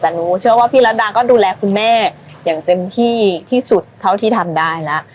แต่หนูเชื่อว่าพี่รัดดาก็ดูแลคุณแม่อย่างเต็มที่ที่สุดเท่าที่ทำได้แล้ว